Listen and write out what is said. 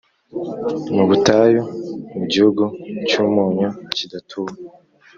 mu butayu mu gihugu cy’umunyu kidatuwe.